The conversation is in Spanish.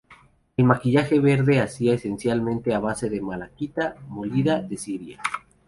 El maquillaje verde se hacía esencialmente a base de malaquita molida de Siria.